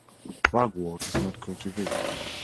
Ragwort is not cultivated.